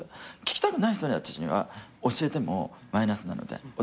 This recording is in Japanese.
聞きたくない人たちには教えてもマイナスなのでお互いに。